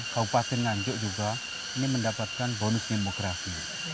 kepala bapak kepala nganjuk ini mendapatkan bonus demografi